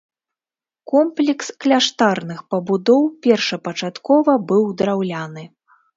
Комплекс кляштарных пабудоў першапачаткова быў драўляны.